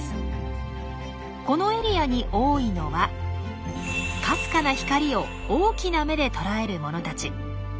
このエリアに多いのはかすかな光を大きな目でとらえるものたち。